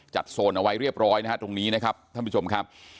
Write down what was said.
โซนเอาไว้เรียบร้อยนะฮะตรงนี้นะครับท่านผู้ชมครับ